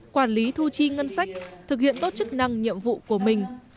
quản lý thu chi ngân sách thực hiện tốt chức năng nhiệm vụ của mình